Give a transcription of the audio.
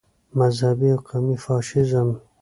مذهبي او قومي فاشیزم.